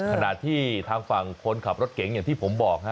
ขณะที่ทางฝั่งคนขับรถเก๋งอย่างที่ผมบอก